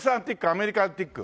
アメリカアンティーク？